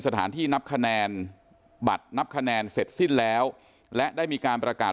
สถานที่นับคะแนนบัตรนับคะแนนเสร็จสิ้นแล้วและได้มีการประกาศ